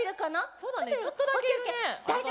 そうだねちょっとだけいるね。